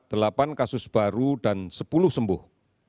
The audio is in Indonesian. delapan kasus baru dan sepuluh sembuh